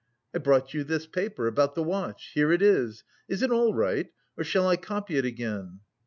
"I brought you this paper... about the watch. Here it is. Is it all right or shall I copy it again?"